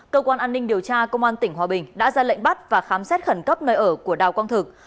cơ quan an ninh điều tra công an tỉnh hòa bình đã ra lệnh bắt và khám xét khẩn cấp nơi ở của đào quang thực